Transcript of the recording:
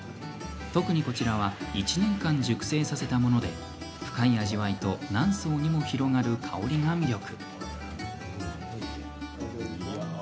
特に、こちらは１年間熟成させたもので深い味わいと何層にも広がる香りが魅力。